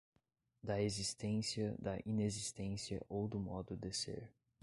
da existência, da inexistência ou do modo de ser